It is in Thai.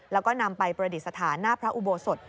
แล้วก็นำไปประดิษฐานหน้าพระอุโบสถ